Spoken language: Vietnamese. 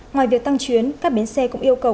ngoài việc tăng chuyến các bến xe cũng yêu cầu